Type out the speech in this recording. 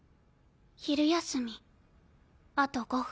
昼休みあと５分。